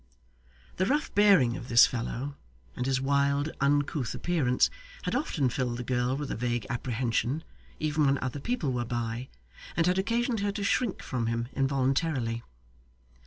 The rough bearing of this fellow, and his wild, uncouth appearance, had often filled the girl with a vague apprehension even when other people were by, and had occasioned her to shrink from him involuntarily.